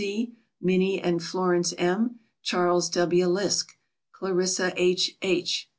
C., Minnie and Florence M., Charles W. Lisk, Clarissa H. H.